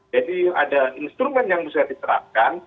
ada instrumen yang bisa diterapkan